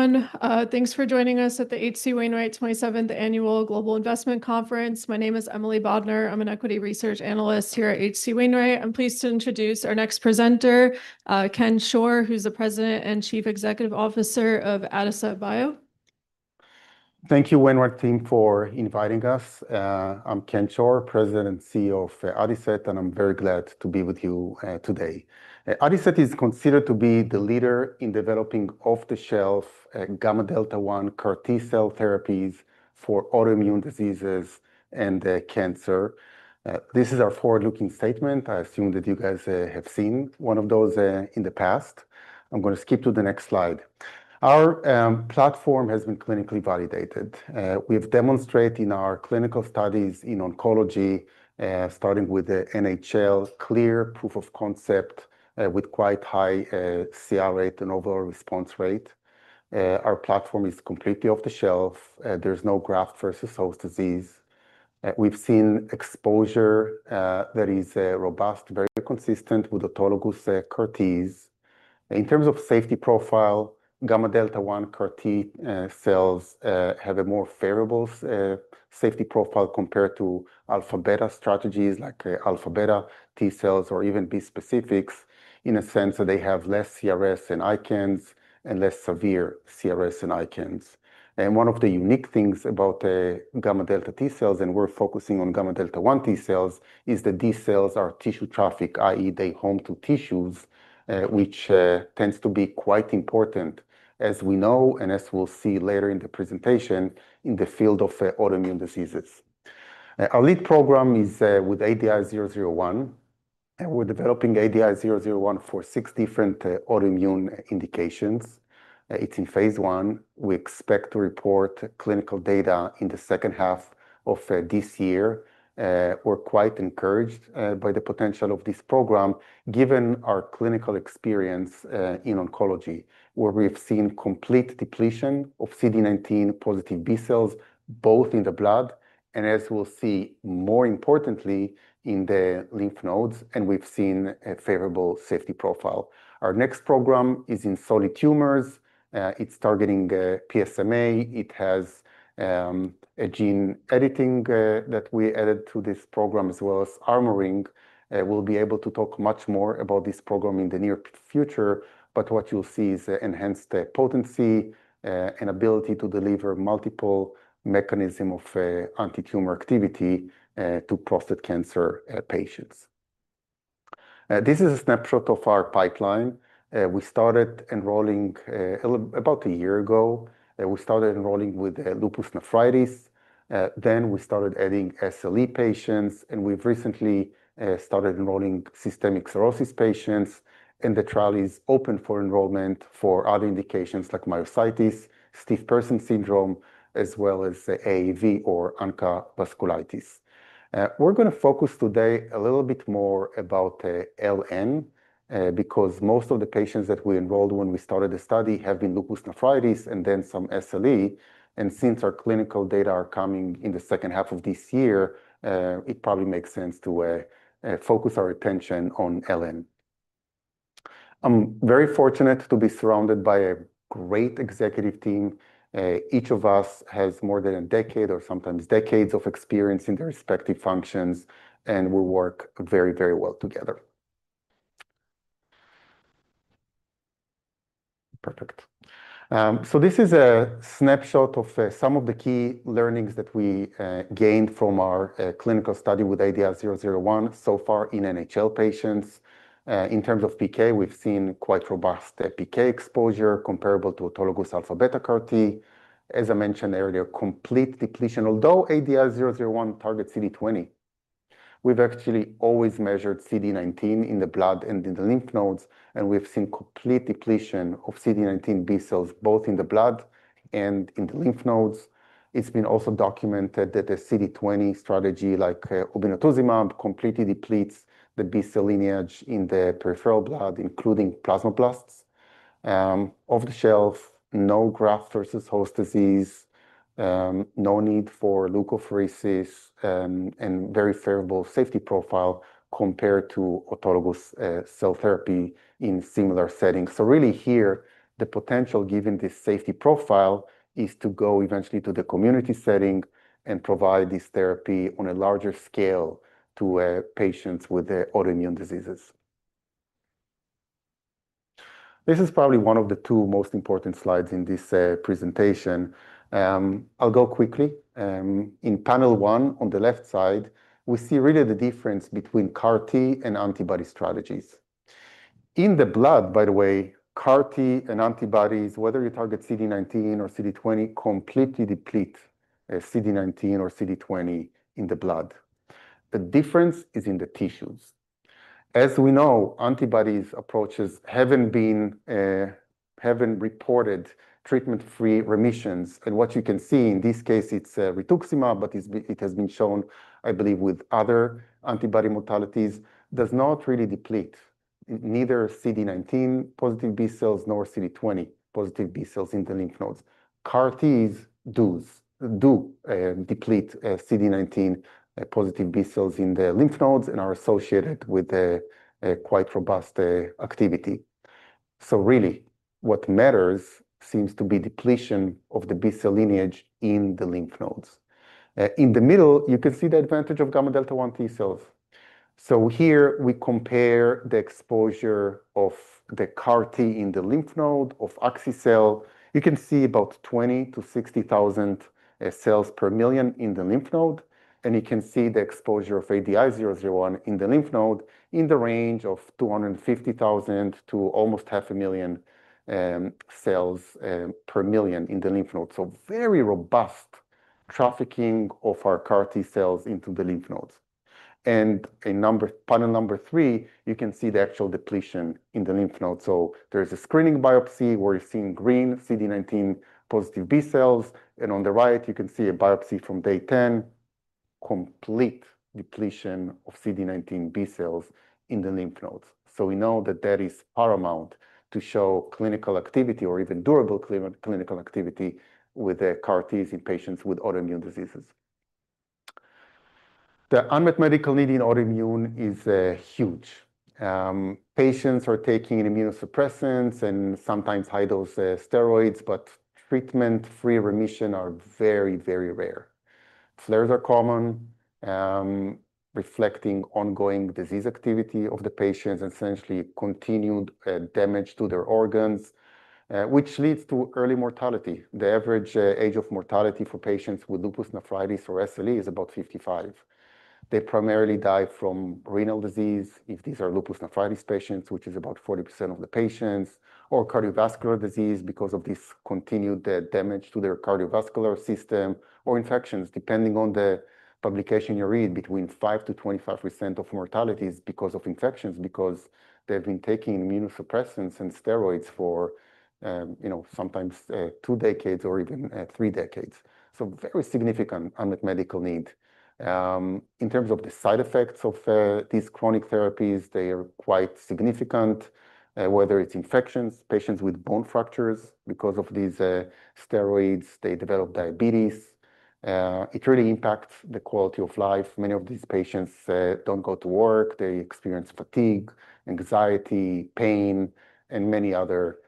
Hi everyone. Thanks for joining us at the H.C. Wainwright 27th Annual Global Investment Conference. My name is Emily Bodnar. I'm an equity research analyst here at H.C. Wainwright. I'm pleased to introduce our next presenter, Chen Schor, who's the President and Chief Executive Officer of Adicet Bio. Thank you, Wainwright team, for inviting us. I'm Chen Schor, President and CEO of Adicet, and I'm very glad to be with you today. Adicet is considered to be the leader in developing off-the-shelf gamma delta 1 CAR T cell therapies for autoimmune diseases and cancer. This is our forward-looking statement. I assume that you guys have seen one of those in the past. I'm going to skip to the next slide. Our platform has been clinically validated. We've demonstrated in our clinical studies in oncology, starting with the NHL, clear proof of concept with quite high CR rate and overall response rate. Our platform is completely off the shelf. There's no graft versus host disease. We've seen exposure that is robust, very consistent with autologous CAR Ts. In terms of safety profile, gamma delta 1 CAR T cells have a more favorable safety profile compared to alpha beta strategies like alpha beta T cells or even bispecifics in a sense that they have less CRS and ICANS and less severe CRS and ICANS. One of the unique things about gamma delta T cells, and we're focusing on gamma delta 1 T cells, is that these cells are tissue trafficking, i.e., they home to tissues, which tends to be quite important, as we know and as we'll see later in the presentation, in the field of autoimmune diseases. Our lead program is with ADI-001. We're developing ADI-001 for six different autoimmune indications. It's in phase II. We expect to report clinical data in the second half of this year. We're quite encouraged by the potential of this program given our clinical experience in oncology, where we've seen complete depletion of CD19 positive B cells both in the blood and, as we'll see, more importantly, in the lymph nodes, and we've seen a favorable safety profile. Our next program is in solid tumors. It's targeting PSMA. It has a gene editing that we added to this program as well as armoring. We'll be able to talk much more about this program in the near future, but what you'll see is enhanced potency and ability to deliver multiple mechanisms of anti-tumor activity to prostate cancer patients. This is a snapshot of our pipeline. We started enrolling about a year ago. We started enrolling with lupus nephritis. Then we started adding SLE patients, and we've recently started enrolling systemic sclerosis patients. The trial is open for enrollment for other indications like myositis, stiff person syndrome, as well as AAV or ANCA vasculitis. We're going to focus today a little bit more about LN because most of the patients that we enrolled when we started the study have been lupus nephritis and then some SLE. Since our clinical data are coming in the second half of this year, it probably makes sense to focus our attention on LN. I'm very fortunate to be surrounded by a great executive team. Each of us has more than a decade or sometimes decades of experience in their respective functions, and we work very, very well together. Perfect. This is a snapshot of some of the key learnings that we gained from our clinical study with ADI-001 so far in NHL patients. In terms of PK, we've seen quite robust PK exposure comparable to autologous alpha beta CAR T. As I mentioned earlier, complete depletion, although ADI-001 targets CD20. We've actually always measured CD19 in the blood and in the lymph nodes, and we've seen complete depletion of CD19 B cells both in the blood and in the lymph nodes. It's been also documented that the CD20 strategy like obinutuzumab completely depletes the B cell lineage in the peripheral blood, including plasmablasts. Off the shelf, no graft versus host disease, no need for leukapheresis, and very favorable safety profile compared to autologous cell therapy in similar settings. So really here, the potential given this safety profile is to go eventually to the community setting and provide this therapy on a larger scale to patients with autoimmune diseases. This is probably one of the two most important slides in this presentation. I'll go quickly. In panel one on the left side, we see really the difference between CAR T and antibody strategies. In the blood, by the way, CAR T and antibodies, whether you target CD19 or CD20, completely deplete CD19 or CD20 in the blood. The difference is in the tissues. As we know, antibody approaches haven't reported treatment-free remissions. What you can see in this case, it's rituximab, but it has been shown, I believe, with other antibody modalities, does not really deplete neither CD19 positive B cells nor CD20 positive B cells in the lymph nodes. CAR Ts do deplete CD19 positive B cells in the lymph nodes and are associated with quite robust activity. So really, what matters seems to be depletion of the B cell lineage in the lymph nodes. In the middle, you can see the advantage of gamma delta 1 T cells. So here we compare the exposure of the CAR T in the lymph node of Axi-cel. You can see about 20,000-60,000 cells per million in the lymph node. And you can see the exposure of ADI-001 in the lymph node in the range of 250,000 to almost 500,000 cells per million in the lymph node. So very robust trafficking of our CAR T cells into the lymph nodes. And in panel number three, you can see the actual depletion in the lymph node. So there is a screening biopsy where you're seeing green CD19 positive B cells. And on the right, you can see a biopsy from day 10, complete depletion of CD19 B cells in the lymph nodes. So we know that that is paramount to show clinical activity or even durable clinical activity with CAR Ts in patients with autoimmune diseases. The unmet medical need in autoimmune is huge. Patients are taking immunosuppressants and sometimes high-dose steroids, but treatment-free remission is very, very rare. Flares are common, reflecting ongoing disease activity of the patients and essentially continued damage to their organs, which leads to early mortality. The average age of mortality for patients with lupus nephritis or SLE is about 55. They primarily die from renal disease if these are lupus nephritis patients, which is about 40% of the patients, or cardiovascular disease because of this continued damage to their cardiovascular system or infections. Depending on the publication you read, between 5% and 25% of mortality is because of infections because they've been taking immunosuppressants and steroids for, you know, sometimes two decades or even three decades, so very significant unmet medical need. In terms of the side effects of these chronic therapies, they are quite significant, whether it's infections, patients with bone fractures because of these steroids, they develop diabetes. It really impacts the quality of life. Many of these patients don't go to work. They experience fatigue, anxiety, pain, and many other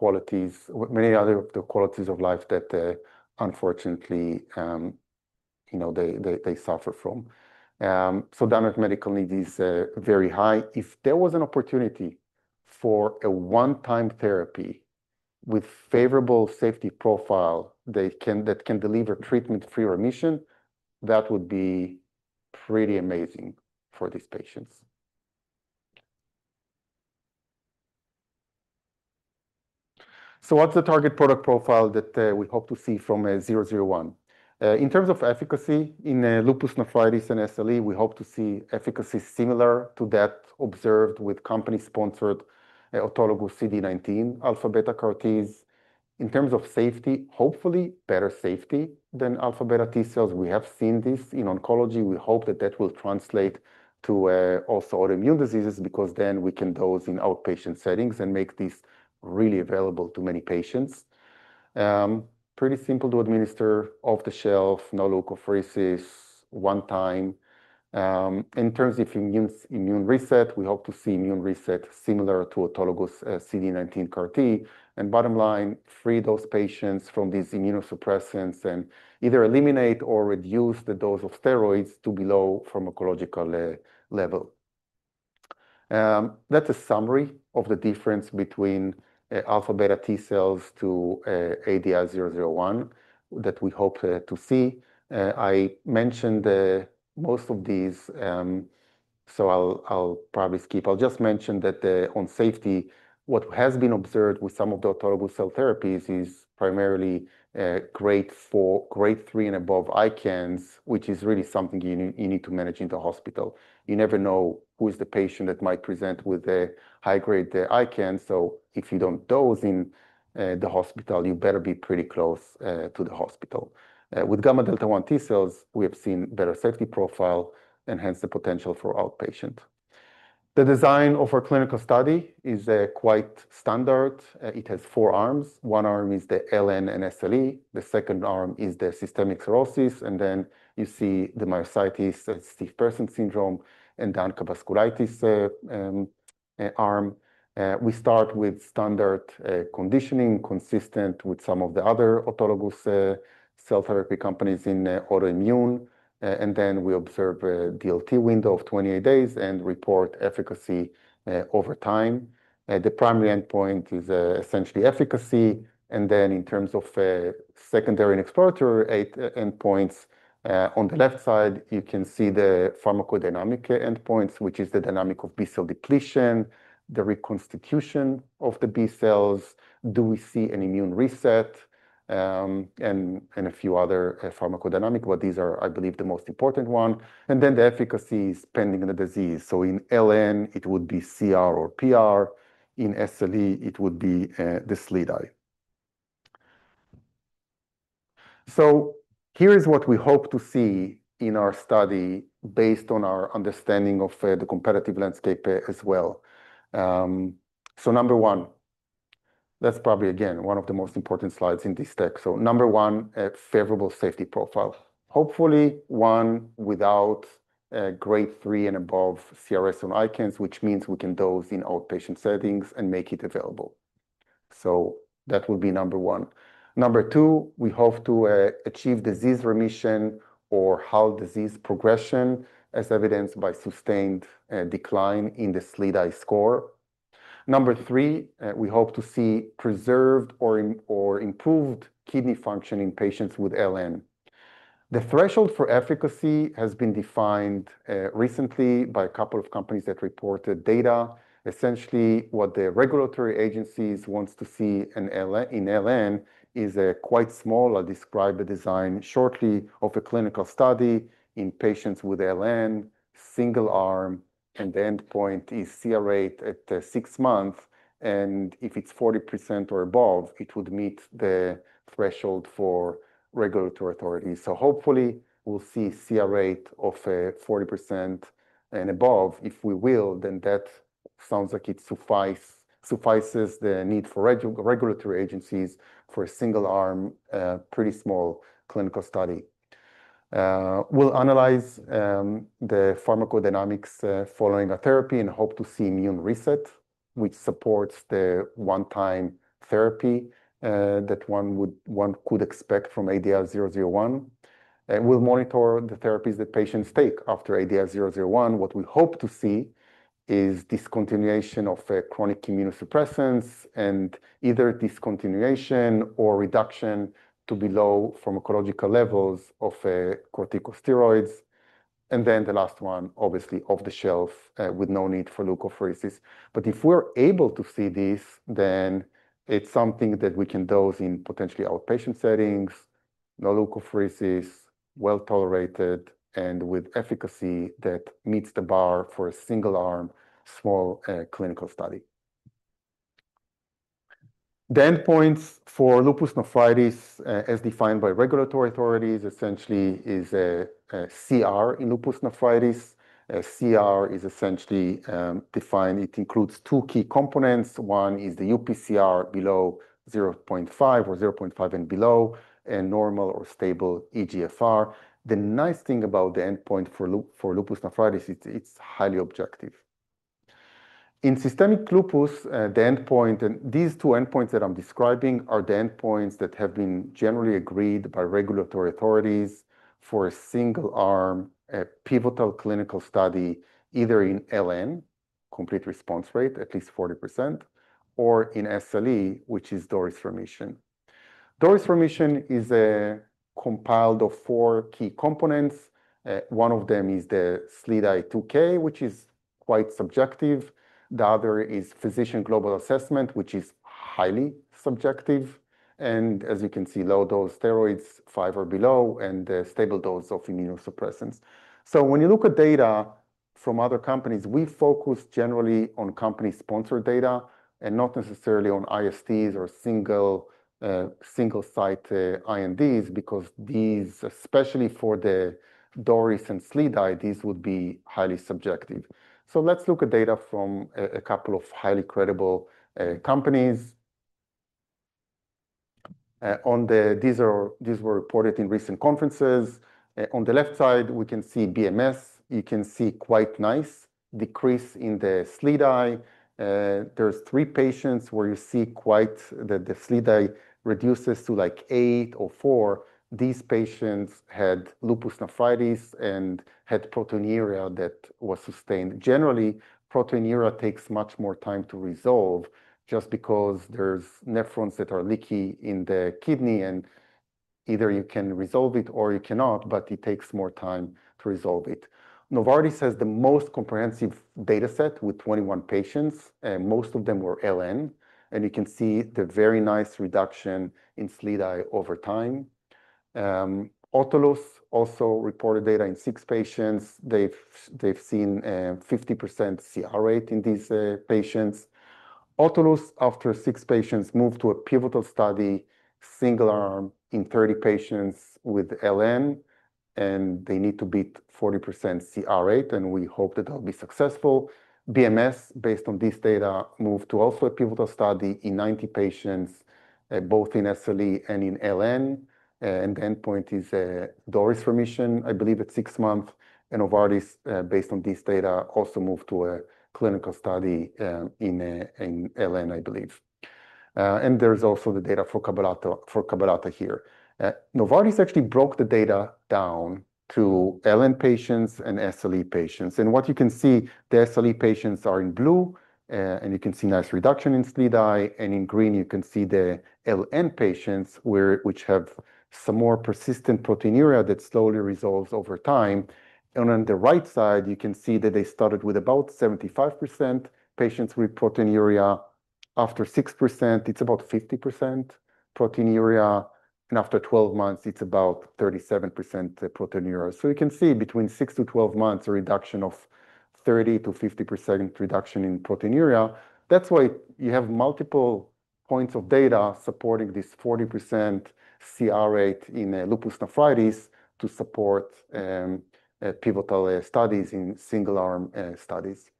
qualities of life that, unfortunately, you know, they suffer from. So the unmet medical need is very high. If there was an opportunity for a one-time therapy with favorable safety profile that can deliver treatment-free remission, that would be pretty amazing for these patients. So what's the target product profile that we hope to see from 001? In terms of efficacy in lupus nephritis and SLE, we hope to see efficacy similar to that observed with company-sponsored autologous CD19 alpha beta CAR Ts. In terms of safety, hopefully better safety than alpha beta T cells. We have seen this in oncology. We hope that that will translate to also autoimmune diseases because then we can dose in outpatient settings and make this really available to many patients. Pretty simple to administer off the shelf, no leukapheresis, one time. In terms of immune reset, we hope to see immune reset similar to autologous CD19 CAR T. Bottom line, free those patients from these immunosuppressants and either eliminate or reduce the dose of steroids to below pharmacological level. That's a summary of the difference between alpha beta T cells to ADI-001 that we hope to see. I mentioned most of these, so I'll probably skip. I'll just mention that on safety, what has been observed with some of the autologous cell therapies is primarily grade three and above ICANS, which is really something you need to manage in the hospital. You never know who is the patient that might present with a high-grade ICANS, so if you don't dose in the hospital, you better be pretty close to the hospital. With gamma delta 1 T cells, we have seen better safety profile and hence the potential for outpatient. The design of our clinical study is quite standard. It has four arms. One arm is the LN and SLE. The second arm is the systemic sclerosis, and then you see the myositis, stiff person syndrome, and the ANCA-associated vasculitis arm. We start with standard conditioning consistent with some of the other autologous cell therapy companies in autoimmune, and then we observe a DLT window of 28 days and report efficacy over time. The primary endpoint is essentially efficacy. And then in terms of secondary and exploratory endpoints, on the left side, you can see the pharmacodynamic endpoints, which is the dynamic of B cell depletion, the reconstitution of the B cells, do we see an immune reset, and a few other pharmacodynamic, but these are, I believe, the most important one. And then the efficacy is depending on the disease. So in LN, it would be CR or PR. In SLE, it would be the SLEDAI. So here is what we hope to see in our study based on our understanding of the competitive landscape as well. So number one, that's probably, again, one of the most important slides in this deck. So number one, a favorable safety profile. Hopefully one without grade three and above CRS or ICANS, which means we can dose in outpatient settings and make it available. So that would be number one. Number two, we hope to achieve disease remission or halt disease progression as evidenced by sustained decline in the SLEDAI score. Number three, we hope to see preserved or improved kidney function in patients with LN. The threshold for efficacy has been defined recently by a couple of companies that reported data. Essentially, what the regulatory agencies want to see in LN is quite small. I'll describe the design shortly of a clinical study in patients with LN, single arm, and the endpoint is CR rate at six months. And if it's 40% or above, it would meet the threshold for regulatory authority. So hopefully we'll see CR rate of 40% and above. If we will, then that sounds like it suffices the need for regulatory agencies for a single arm, pretty small clinical study. We'll analyze the pharmacodynamics following a therapy and hope to see immune reset, which supports the one-time therapy that one could expect from ADI-001. We'll monitor the therapies that patients take after ADI-001. What we hope to see is discontinuation of chronic immunosuppressants and either discontinuation or reduction to below pharmacological levels of corticosteroids. And then the last one, obviously, off the shelf with no need for leukapheresis. But if we're able to see this, then it's something that we can dose in potentially outpatient settings, no leukapheresis, well tolerated, and with efficacy that meets the bar for a single arm, small clinical study. The endpoints for lupus nephritis, as defined by regulatory authorities, essentially is a CR in lupus nephritis. CR is essentially defined. It includes two key components. One is the UPCR below 0.5 or 0.5 and below, and normal or stable eGFR. The nice thing about the endpoint for lupus nephritis is it's highly objective. In systemic lupus, the endpoint, and these two endpoints that I'm describing are the endpoints that have been generally agreed by regulatory authorities for a single arm, a pivotal clinical study, either in LN, complete response rate, at least 40%, or in SLE, which is DORIS remission. DORIS remission is comprised of four key components. One of them is the SLEDAI-2K, which is quite subjective. The other is physician global assessment, which is highly subjective, and as you can see, low dose steroids, five or below, and the stable dose of immunosuppressants. So when you look at data from other companies, we focus generally on company-sponsored data and not necessarily on ISTs or single-site INDs because these, especially for the DORIS and SLEDAI, these would be highly subjective. So let's look at data from a couple of highly credible companies. These were reported in recent conferences. On the left side, we can see BMS. You can see quite nice decrease in the SLEDAI. There's three patients where you see quite that the SLEDAI reduces to like eight or four. These patients had lupus nephritis and had proteinuria that was sustained. Generally, proteinuria takes much more time to resolve just because there's nephrons that are leaky in the kidney. And either you can resolve it or you cannot, but it takes more time to resolve it. Novartis has the most comprehensive data set with 21 patients. Most of them were LN. And you can see the very nice reduction in SLEDAI over time. Autolus also reported data in six patients. They've seen 50% CR rate in these patients. Autolus, after six patients, moved to a pivotal study, single arm in 30 patients with LN, and they need to beat 40% CR rate, and we hope that they'll be successful. BMS, based on this data, moved to also a pivotal study in 90 patients, both in SLE and in LN, and the endpoint is DORIS remission, I believe, at six months, and Novartis, based on this data, also moved to a clinical study in LN, I believe, and there's also the data for Cabaletta here. Novartis actually broke the data down to LN patients and SLE patients, and what you can see, the SLE patients are in blue, and you can see nice reduction in SLEDAI, and in green, you can see the LN patients, which have some more persistent proteinuria that slowly resolves over time. On the right side, you can see that they started with about 75% patients with proteinuria. After 6 months, it's about 50% proteinuria. After 12 months, it's about 37% proteinuria. You can see between 6-12 months, a reduction of 30%-50% reduction in proteinuria. That's why you have multiple points of data supporting this 40% CR rate in lupus nephritis to support pivotal studies in single arm studies.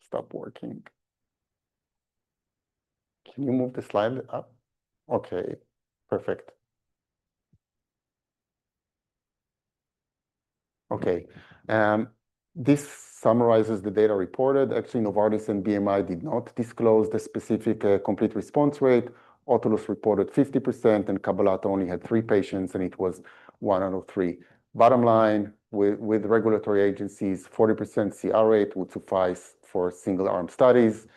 Stop working. Can you move the slide up? Okay. Perfect. Okay. This summarizes the data reported. Actually, Novartis and BMS did not disclose the specific complete response rate. Autolus reported 50%, and Cabaletta only had three patients, and it was one out of three. Bottom line, with regulatory agencies, 40% CR rate would suffice for single arm studies.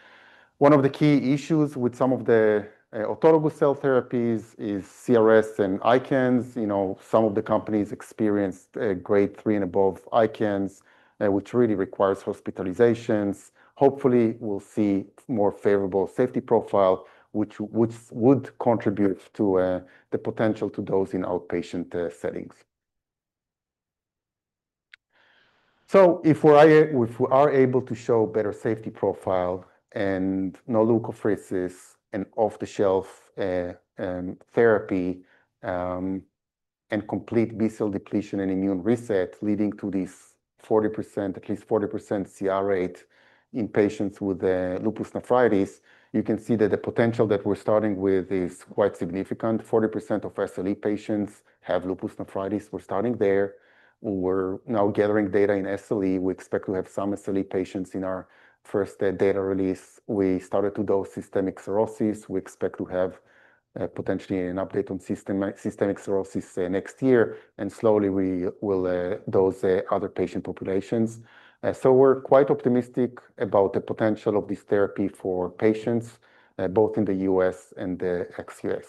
One of the key issues with some of the autologous cell therapies is CRS and ICANS. You know, some of the companies experienced grade three and above ICANS, which really requires hospitalizations. Hopefully, we'll see more favorable safety profile, which would contribute to the potential to dose in outpatient settings. So if we are able to show better safety profile and no leukapheresis and off-the-shelf therapy and complete B cell depletion and immune reset leading to this 40%, at least 40% CR rate in patients with lupus nephritis, you can see that the potential that we're starting with is quite significant. 40% of SLE patients have lupus nephritis. We're starting there. We're now gathering data in SLE. We expect to have some SLE patients in our first data release. We started to dose systemic sclerosis. We expect to have potentially an update on systemic sclerosis next year, and slowly, we will dose other patient populations. So we're quite optimistic about the potential of this therapy for patients both in the US and the ex-US.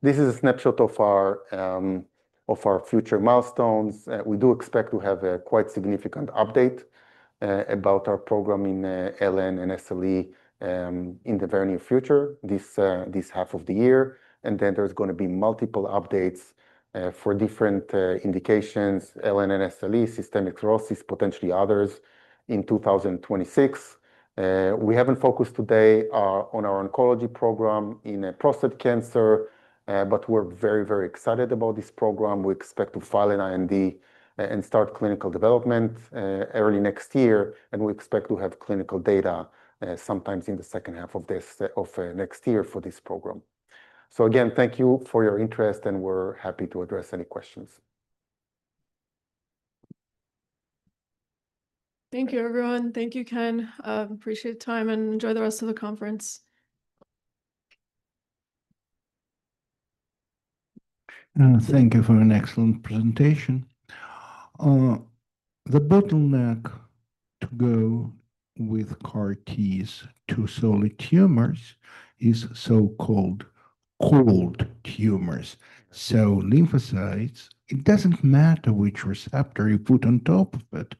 This is a snapshot of our future milestones. We do expect to have a quite significant update about our program in LN and SLE in the very near future, this half of the year. And then there's going to be multiple updates for different indications, LN and SLE, systemic sclerosis, potentially others in 2026. We haven't focused today on our oncology program in prostate cancer, but we're very, very excited about this program. We expect to file an IND and start clinical development early next year. And we expect to have clinical data sometimes in the second half of next year for this program. So again, thank you for your interest, and we're happy to address any questions. Thank you, everyone. Thank you, Chen. Appreciate the time and enjoy the rest of the conference. Thank you for an excellent presentation. The bottleneck to go with CAR-Ts to solid tumors is so-called cold tumors. So lymphocytes, it doesn't matter which receptor you put on top of it.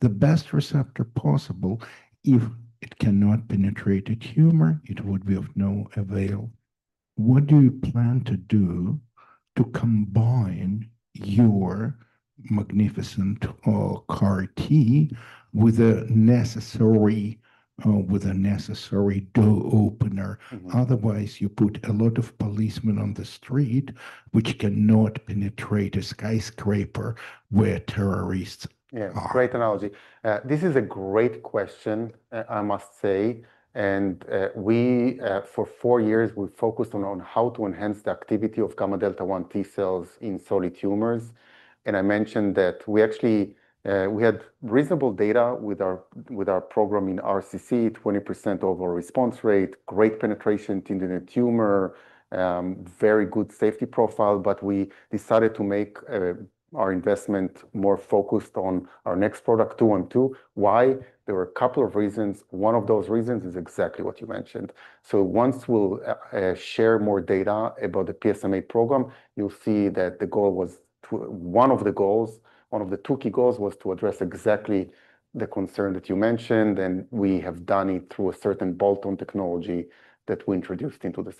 The best receptor possible, if it cannot penetrate a tumor, it would be of no avail. What do you plan to do to combine your magnificent CAR-T with a necessary door opener? Otherwise, you put a lot of policemen on the street, which cannot penetrate a skyscraper where terrorists are. Great analogy. This is a great question, I must say. And for four years, we focused on how to enhance the activity of gamma delta 1 T cells in solid tumors. And I mentioned that we actually had reasonable data with our program in RCC, 20% overall response rate, great penetration into the tumor, very good safety profile. But we decided to make our investment more focused on our next product, ADI-212. Why? There were a couple of reasons. One of those reasons is exactly what you mentioned. So once we'll share more data about the PSMA program, you'll see that the goal was one of the goals, one of the two key goals was to address exactly the concern that you mentioned. And we have done it through a certain bolt-on technology that we introduced into the.